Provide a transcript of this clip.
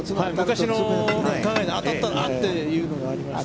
昔の考えで、当たったら、あっというのがありまして。